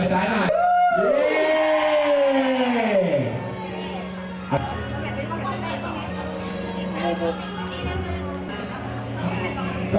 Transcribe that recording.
ถ่ายชิบหน่อย